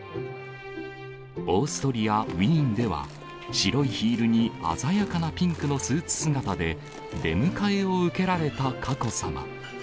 オーストリア・ウィーンでは、白いヒールに鮮やかなピンクのスーツ姿で、出迎えを受けられた佳子さま。